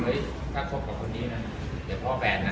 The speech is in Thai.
เฮ้ยถ้าผู้ใกล้คนนี้เดียวก็พอแฟนอ่ะ